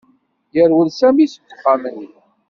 Yerwel Sami seg uxxam-nni.